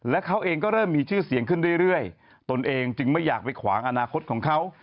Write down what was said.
และเขาเองก็เริ่มมีชื่อเสียงขึ้นเรื่อยตนเองจึงไม่อยากไปขวางอนาคตของเขา